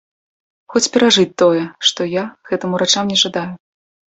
Хоць перажыць тое, што я, гэтым урачам не жадаю.